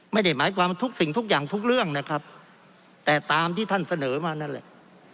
ไม่ได้หมายความทุกสิ่งทุกอย่างทุกเรื่องนะครับแต่ตามที่ท่านเสนอมานั่นแหละ